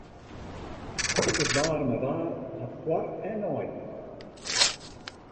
It waarme waar hat foar- en neidielen.